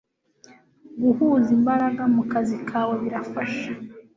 guhuza imbaraga mu kazi kawe birafasha